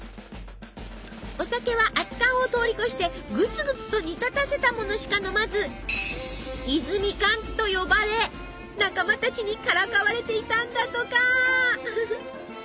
お酒は熱燗を通り越してぐつぐつと煮立たせたものしか飲まず。と呼ばれ仲間たちにからかわれていたんだとか。